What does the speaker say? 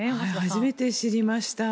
初めて知りました。